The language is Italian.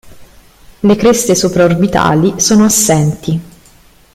Le creste sopra-orbitali sono assenti.